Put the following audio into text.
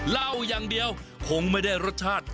เหล้าอย่างเดียวคงไม่ได้รสชาติ